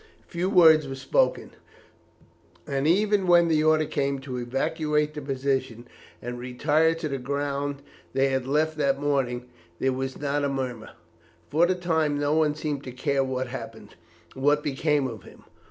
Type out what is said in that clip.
Few words were spoken, and even when the order came to evacuate the position and retire to the ground they had left that morning, there was not a murmur; for the time no one seemed to care what happened, or what became of him.